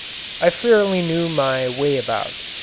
I fairly knew my way about.